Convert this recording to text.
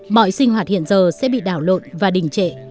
mọi sinh hoạt hiện giờ sẽ bị đảo lộn và đình trệ